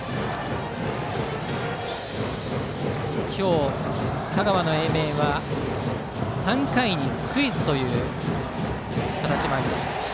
今日、香川の英明は３回にスクイズという形もありました。